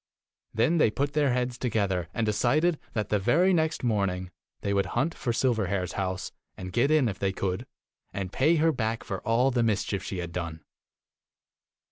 Then they put their heads together and de cided that the very next morning they would hunt for Silverhair's house, and get in, if they 6 / could, and pay her back for all the mischief she had done.